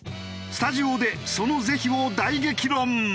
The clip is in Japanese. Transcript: スタジオでその是非を大激論。